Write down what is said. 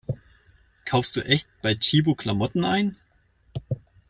Kaufst du echt bei Tchibo Klamotten ein?